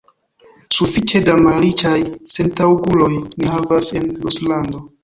Sufiĉe da malriĉaj sentaŭguloj ni havas en Ruslando.